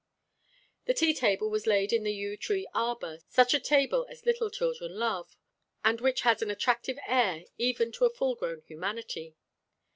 The tea table was laid in the yew tree arbour, such a table as little children love, and which has an attractive air even to full grown humanity.